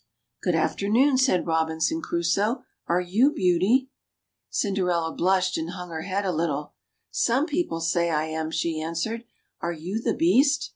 Good afternoon," said Robinson Crusoe; are you Beauty ?" i6 THE CHILDREN'S WONDER BOOK. Cinderella blushed and hung her head a little. " Some people say I am," she answered. "Are you the Beast?"